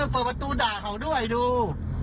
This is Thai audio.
เปิดประตูด่าเขาด้วยดู